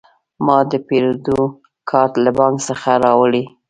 ما د پیرود کارت له بانک څخه راوړی.